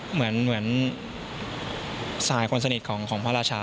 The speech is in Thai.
เหมือนสายคนสนิทของพระราชา